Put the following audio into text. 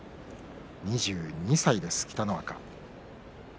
２２歳です、北の若。